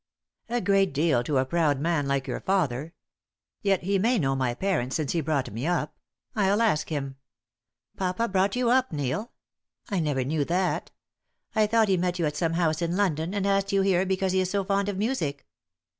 "A great deal to a proud man like your father. Yet he may know my parents since he brought me up. I'll ask him." "Papa brought you up, Neil? I never knew that. I thought he met you at some house in London, and asked you here because he is so fond of music."